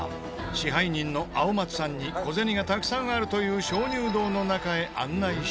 支配人の青松さんに小銭がたくさんあるという鍾乳洞の中へ案内してもらう事に。